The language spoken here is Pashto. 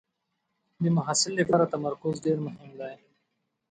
د محصل لپاره تمرکز ډېر مهم دی.